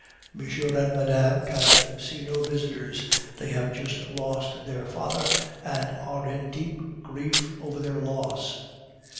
"Monsieur and Madame can see no visitors. They have just lost their father, and are in deep grief over their loss."